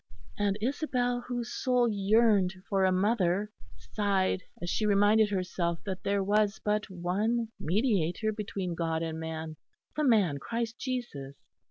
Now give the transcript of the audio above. And Isabel, whose soul yearned for a mother, sighed as she reminded herself that there was but "one Mediator between God and man the man, Christ Jesus."